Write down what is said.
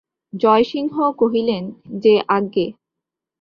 জয়সিংহ কহিলেন, যে আজ্ঞে।